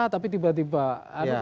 tapi tiba tiba ada